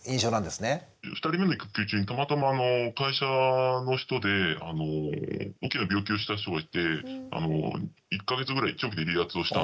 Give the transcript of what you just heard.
２人目の育休中にたまたま会社の人で大きな病気をした人がいて１か月ぐらい長期で離脱をしたんですよね。